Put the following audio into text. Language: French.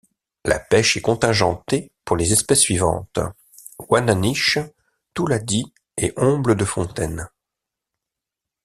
La pêche est contigentée pour les espèces suivantes: ouananiche, touladi et omble de fontaine.